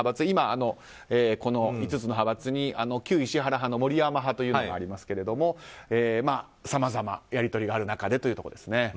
今、この５つの派閥に旧石原派の森山派というのがありますけれどもさまざまやり取りがある中でということですね。